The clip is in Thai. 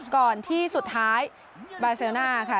ก่อนที่สุดท้ายบาเซลน่า